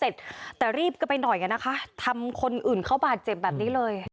ใช่ครับใช่